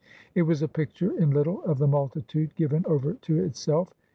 It was a picture in little of the multitude given over to itself.